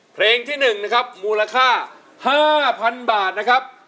เพลงที่๑นะครับมูลค่า๕๐๐๐บาทนะครับ